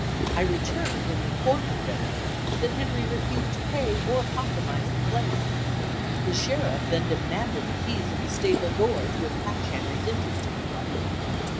I returned and informed the creditor that Henry refused to pay or compromise the claim. The sheriff then demanded the keys of the stable door to attach Henry's interest in the property.